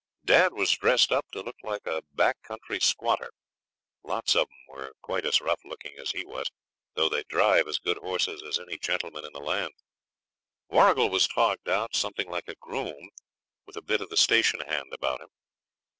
Dad was dressed up to look like a back country squatter. Lots of 'em were quite as rough looking as he was, though they drive as good horses as any gentleman in the land. Warrigal was togged out something like a groom, with a bit of the station hand about him.